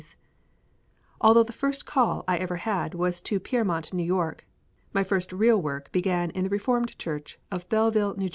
_ Although the first call I ever had was to Piermont, N.Y., my first real work began in the Reformed Church of Belleville, N.J.